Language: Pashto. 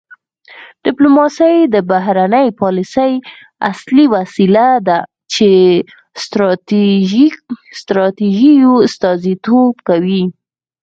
ډیپلوماسي د بهرنۍ پالیسۍ اصلي وسیله ده چې ستراتیژیو استازیتوب کوي